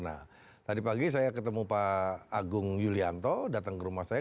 nah tadi pagi saya ketemu pak agung yulianto datang ke rumah saya